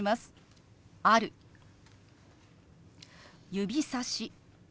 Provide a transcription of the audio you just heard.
「指さし」。